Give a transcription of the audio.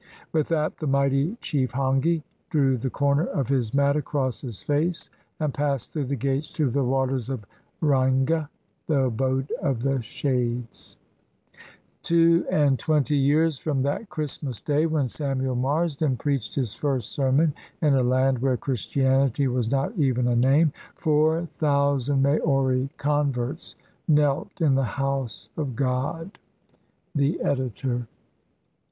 With that, the mighty chief Hongi drew the comer of his mat across his face and passed through the gates to the Waters of Reinga [the abode of the shades]. ("Two and twenty years from that Christmas Day when Samuel Marsden preached his first sermon in a land where Christianity was not even a name, four thousand Maori converts knelt in the House of God." The Editor.